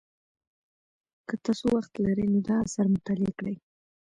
که تاسو وخت لرئ نو دا اثر مطالعه کړئ.